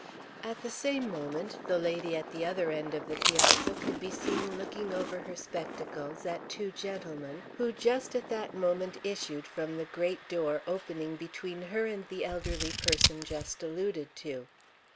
At the same moment the lady at the other end of the piazza could be seen looking over her spectacles at two gentlemen who just at that moment issued from the great door opening between her and the elderly person just alluded to.